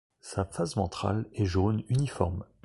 Sa face ventrale est jaune uniforme.